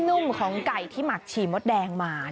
นุ่มของไก่ที่หมักฉี่มดแดงมา